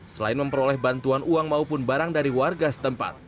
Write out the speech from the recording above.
selain memperoleh bantuan uang maupun barang dari warga setempat